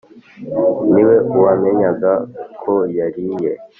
. Ni we wamenyaga ko yariye